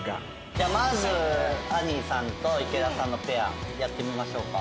じゃあまずあにーさんと池田さんのペアやってみましょうか。